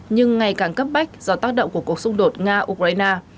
nhưng ngày càng cấp bách do tác động của cuộc xung đột nga ukraine